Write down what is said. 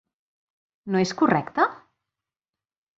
No és correcte?